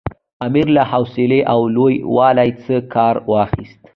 امیر له حوصلې او لوی والي څخه کار واخیست.